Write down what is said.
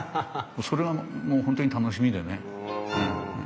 それはもう本当に楽しみでね。